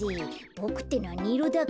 ボクってなにいろだっけ？